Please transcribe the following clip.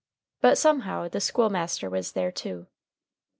But somehow the school master was there too.